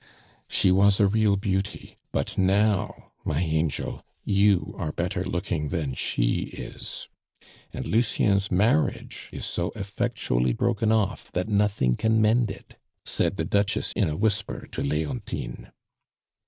"She was a real beauty; but now, my angel, you are better looking than she is. And Lucien's marriage is so effectually broken off, that nothing can mend it," said the Duchess in a whisper to Leontine.